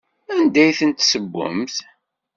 Anda ay ten-tessewwemt?